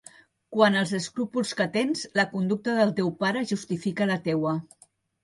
Quant als escrúpols que tens, la conducta del teu pare justifica la teua.